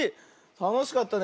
たのしかったね。